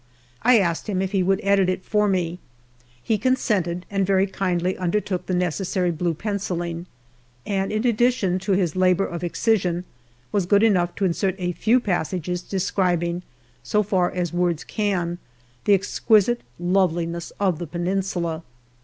I asked him if he would edit it for me. He consented, and very kindly undertook the necessary blue pencilling, and in addition to his labour of excision was good enough to insert a few passages describing, so far as words can, the exquisite loveliness of the Peninsula.